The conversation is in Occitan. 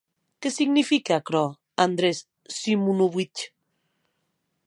Qué signifique aquerò, Andrés Simonovitch?